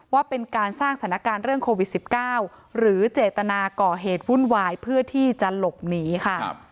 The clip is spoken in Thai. ว่าเป็นการสร้างสถานการณ์เรื่องโควิด๑๙หรือเจตนาก่อเหตุวุ่นวายเพื่อที่จะหลบหนีค่ะ